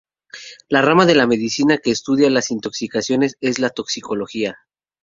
La rama de la Medicina que estudia las intoxicaciones es la Toxicología.